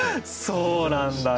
そうなんだよ。